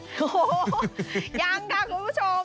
หัวยังค่ะทุกผู้ชม